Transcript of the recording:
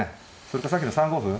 それかさっきの３五歩。